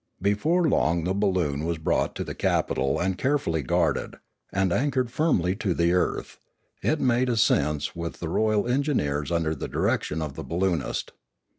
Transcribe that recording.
Before long the balloon was brought to the capital and carefully guarded; and, anchored firmly to the earth, it made ascents with the royal engineers under the direction of the balloonist.